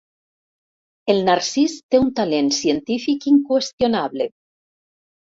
El Narcís té un talent científic inqüestionable.